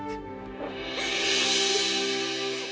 terima kasih panger